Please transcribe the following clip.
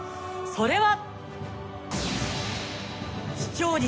それは。